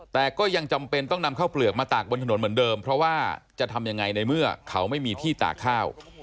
แต่ก็ยังจำเป็นต้องนำข้าวเปลือกมาตากบนถนนเหมือนเดิมเพราะว่าจะทำยังไงในเมื่อเขาไม่มีที่ตากข้าว